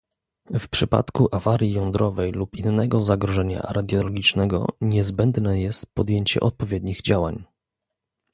W przypadku awarii jądrowej lub innego zagrożenia radiologicznego niezbędne jest podjęcie odpowiednich działań